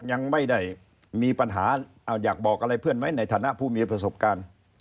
ยังไม่ได้มีปัญหาอยากบอกอะไรเพื่อนไหมในฐานะผู้มีประสบการณ์